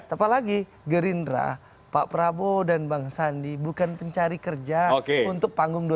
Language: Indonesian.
apalagi gerindra pak prabowo dan bang sandi bukan pencari kerja untuk panggung dua ribu dua puluh